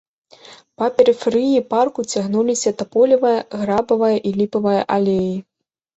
Па перыферыі парку цягнуліся таполевая, грабавая і ліпавая алеі.